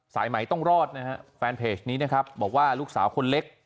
สายใหม่ต้องรอดนะฮะแฟนเพจนี้นะครับบอกว่าลูกสาวคนเล็ก